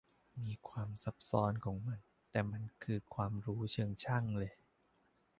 มีความซับซ้อนของมัน แต่มันคือความรู้เชิงช่างเลย